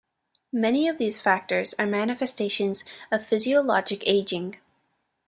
Many of these factors are manifestations of physiologic aging.